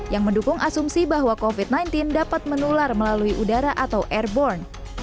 yang mendukung asumsi bahwa covid sembilan belas dapat menular melalui udara atau airborne